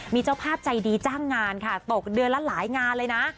มีเจ้าภาพใจดีจ้างงานค่ะตกเดือนละหลายงานเลยนะ